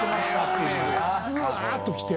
うわっときて。